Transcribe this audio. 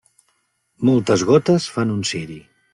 Moltes gotes fan un ciri.